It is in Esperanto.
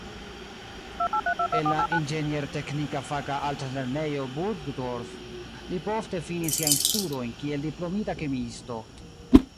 En la inĝenier-teknika faka altlernejo Burgdorf li poste finis siajn studojn kiel diplomita kemiisto.